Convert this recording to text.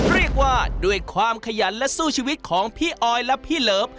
เรียกว่าด้วยความขยันและสู้ชีวิตของพี่ออยและพี่เลิฟ